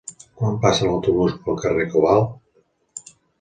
Quan passa l'autobús pel carrer Cobalt?